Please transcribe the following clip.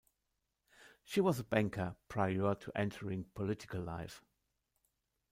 She was a banker prior to entering political life.